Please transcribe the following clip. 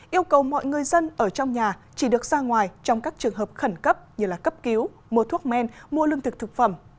yêu cầu mọi người dân ở trong nhà chỉ được ra ngoài trong các trường hợp khẩn cấp như cấp cứu mua thuốc men mua lương thực thực phẩm